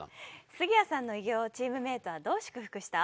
杉谷さんの偉業をチームメイトはどう祝福した？